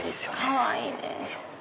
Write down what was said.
かわいいです。